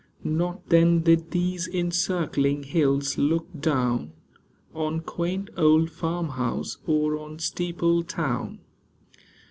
Not then did these encircling hills look down On quaint old farmhouse, or on steepled town.